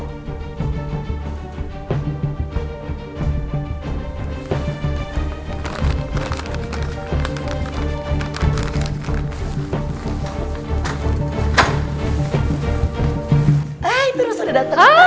hai terus udah dateng